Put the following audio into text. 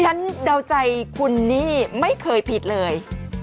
แม่ทั้งเดาใจคุณนี่ไม่เคยผิดเลย